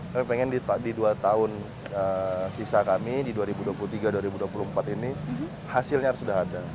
kami pengen di dua tahun sisa kami di dua ribu dua puluh tiga dua ribu dua puluh empat ini hasilnya sudah ada